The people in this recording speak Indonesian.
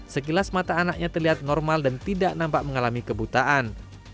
sekilas mata anaknya terlihat normal dan tidak nampak mengalami kebutaan